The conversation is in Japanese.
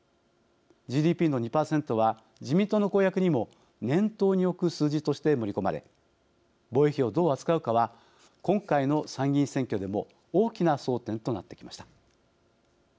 ＧＤＰの２％は自民党の公約にも念頭におく数字として盛り込まれ防衛費をどう扱うかは今回の参議院選挙でも大きな争点となってきました。